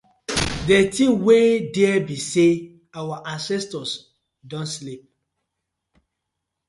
Di tin wey dey dere bi say our ancestors don sleep.